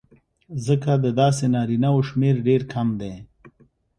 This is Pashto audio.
ځکه د داسې نارینهوو شمېر ډېر کم دی